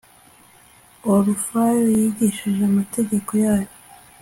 orufayo yigishije amategeko yayo